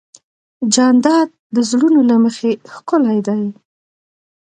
جانداد د زړونو له مخې ښکلی دی.